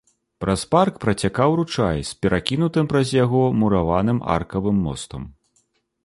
Праз парк працякаў ручай з перакінутым праз яго мураваным аркавым мостам.